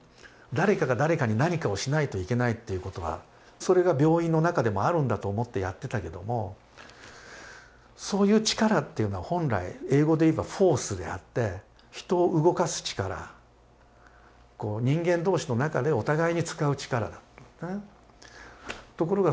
誰かが誰かに何かをしないといけないっていうことはそれが病院の中でもあるんだと思ってやってたけどもそういう力っていうのは本来英語で言えばｆｏｒｃｅであって人を動かす力人間同士の中でお互いに使う力なんですね。